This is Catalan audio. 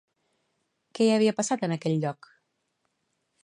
Què hi havia passat, en aquell lloc?